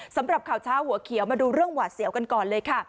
สำหรับข่าวเช้าหัวเขียวมาดูเรื่องหวาดเสียวกันก่อนเลยค่ะ